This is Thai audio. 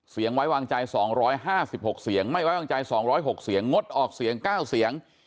เสียงไว้วางใจ๒๕๖เสียงไม่ไว้วางใจ๒๐๖เสียงงดออกเสียง๙เสียง